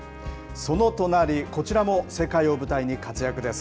その隣、こちらも世界を舞台に活躍です。